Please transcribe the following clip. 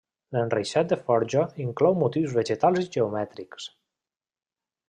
L'enreixat de forja inclou motius vegetals i geomètrics.